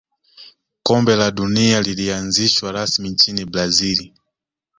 kombe la dunia lilianzishwa rasmi nchini brazil